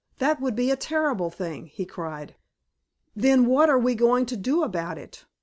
That would be a terrible thing," he cried. "Then what are we going to do about it?